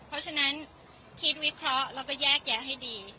เพราะฉะนั้นคิดวิเคราะห์แล้วก็แยกแยะให้ดี